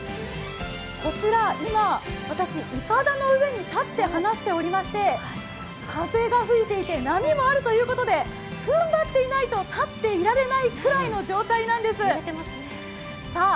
こちら今、私いかだの上に立って話しておりまして風が吹いていて波があるということで踏ん張っていないと立っていられないくらいの状態なんです。